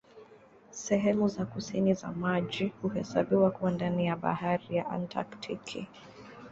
Sehemu za kusini za maji huhesabiwa kuwa ndani ya Bahari ya Antaktiki.